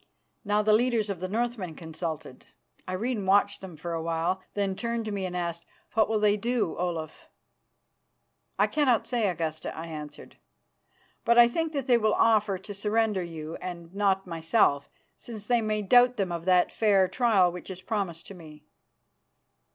Now the leaders of the Northmen consulted. Irene watched them for awhile, then turned to me and asked, "What will they do, Olaf?" "I cannot say, Augusta," I answered, "but I think that they will offer to surrender you and not myself, since they may doubt them of that fair trial which is promised to me."